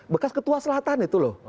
bekas ketua selatan itu loh